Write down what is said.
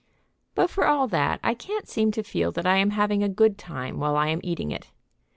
But for all that I can't seem to feel that I am having a good time while I am eating it.